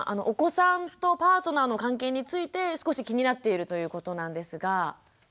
お子さんとパートナーの関係について少し気になっているということなんですが。